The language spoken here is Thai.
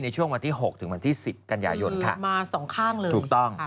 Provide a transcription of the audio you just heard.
ช่วงวันที่หกถึงวันที่สิบกันยายนค่ะมาสองข้างเลยถูกต้อง